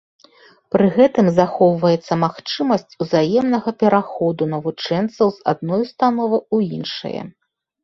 Пры гэтым захоўваецца магчымасць узаемнага пераходу навучэнцаў з адной установы ў іншае.